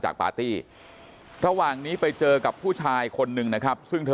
ปาร์ตี้ระหว่างนี้ไปเจอกับผู้ชายคนหนึ่งนะครับซึ่งเธอ